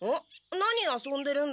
何遊んでるんだ？